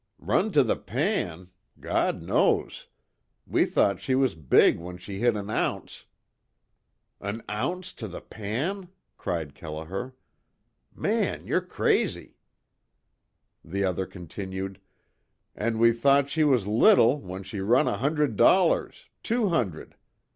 "Run to the pan! God knows! We thought she was big when she hit an ounce " "An ounce to the pan!" cried Kelliher, "Man ye're crazy!" The other continued: "An' we thought she was little when she run a hundred dollars two hundred!